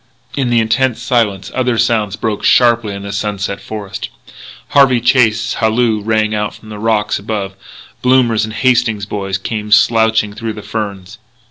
In the intense silence other sounds broke sharply in the sunset forest; Harvey Chase's halloo rang out from the rocks above; Blommers and the Hastings boys came slouching through the ferns.